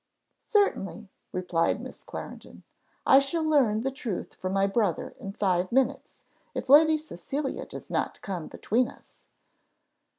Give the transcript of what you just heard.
"Certainly," replied Miss Clarendon; "I shall learn the truth from my brother in five minutes, if Lady Cecilia does not come between us."